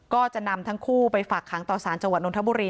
ก็จะนำทั้งคู่ไปฝากขังต่อสารจังหวัดนทบุรี